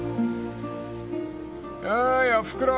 ［おーいおふくろ。